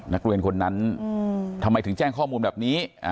นักเรียนคนนั้นทำไมถึงแจ้งข้อมูลแบบนี้